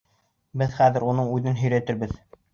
Беҙ хәҙер уның үҙен һөйрәтербеҙ...